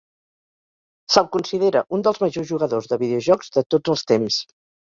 Se'l considera un dels majors jugadors de videojocs de tots els temps.